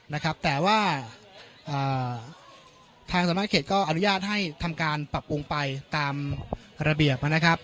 นะครับแต่ว่าทางสำนักเขตก็อนุญาตให้ทำการปรับปรุงไปตามระเบียบนะครับ